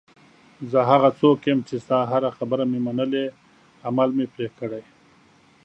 زه هغه څوک یم چې ستا هره خبره مې منلې، عمل مې پرې کړی.